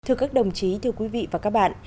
thưa các đồng chí thưa quý vị và các bạn